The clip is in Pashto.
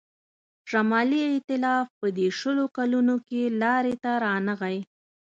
شمالي ایتلاف په دې شلو کالو کې لاري ته رانغی.